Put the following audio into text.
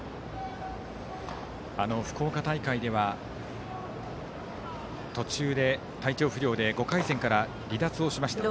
福岡大会では途中で体調不良で５回戦から離脱をしました。